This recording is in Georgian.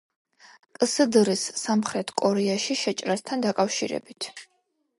კსდრ-ის სამხრეთ კორეაში შეჭრასთან დაკავშირებით.